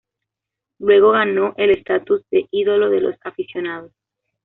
Luego ganó el estatus de Ídolo de los aficionados.